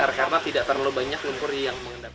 karena tidak terlalu banyak lumpur yang mengendap